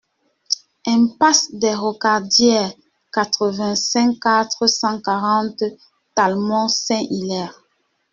Impasse des Rocardières, quatre-vingt-cinq, quatre cent quarante Talmont-Saint-Hilaire